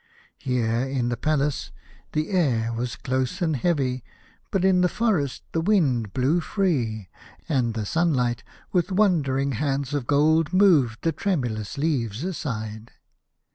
Here, in the Palace, the air was close and heavy, but in the forest the wind 55 A House of Pomegranates. blew free, and the sunlight with wandering hands of gold moved the tremulous leaves aside.